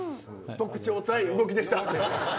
特徴対動きでした。